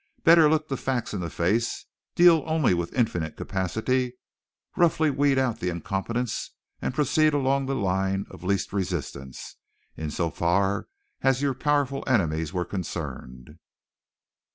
Better look the facts in the face, deal only with infinite capacity, roughly weed out the incompetents and proceed along the line of least resistance, in so far as your powerful enemies were concerned.